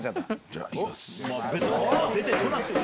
じゃあ行きます。